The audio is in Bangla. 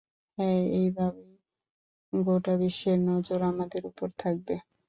হ্যাঁ, এইভাবে, গোটা বিশ্বের নজর আমাদের উপর থাকবে।